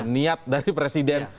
niat dari presiden